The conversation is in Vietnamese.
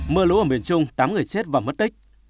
mưa lũ ở miền trung tám người chết và mất tích